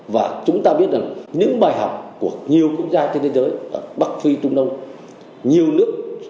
và chúng ta biết rằng những bài học của nhiều quốc gia trên thế giới ở bắc phi trung đông nhiều nước